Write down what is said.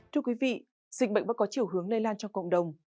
thưa quý vị dịch bệnh vẫn có chiều hướng lây lan trong cộng đồng